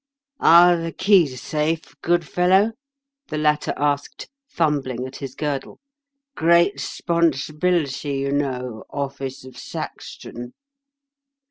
*'Are the keys safe, good fellow?" the latter asked, fumbling at his girdle. " Great 'sponsibility, you know, office of sac stan."